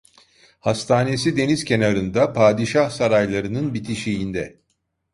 Hastanesi deniz kenarında, padişah saraylarının bitişiğinde.